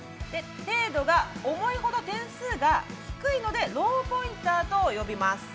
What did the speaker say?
程度が重いほど点数が低いのでローポインターと呼びます。